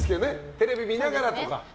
テレビ見ながらとか。